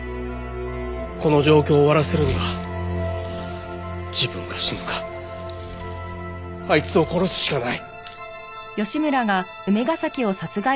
この状況を終わらせるには自分が死ぬかあいつを殺すしかない。